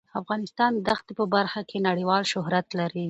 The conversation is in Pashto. افغانستان د ښتې په برخه کې نړیوال شهرت لري.